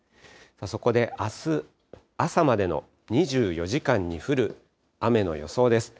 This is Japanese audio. そこであす朝までの２４時間に降る雨の予想です。